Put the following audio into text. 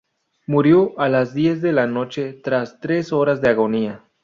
Murió a las diez de la noche, tras tres horas de agonía.